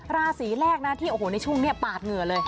ราศีแรกที่ในช่วงนี้ปาดเหงื่อเลย